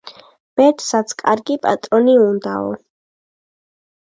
ბედსაც კარგი პატრონი უნდაო.